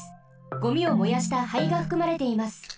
ゴミを燃やした灰がふくまれています。